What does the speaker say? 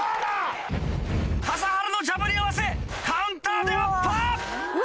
笠原のジャブに合わせカウンターでアッパー。